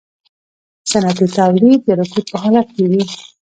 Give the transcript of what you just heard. صنعتي تولید د رکود په حالت کې وي